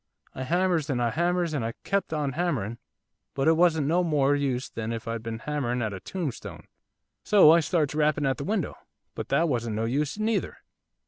I hammers, and I hammers, and I kept on hammering, but it wasn't no more use than if I'd been hammering at a tombstone. So I starts rapping at the window, but that wasn't no use neither.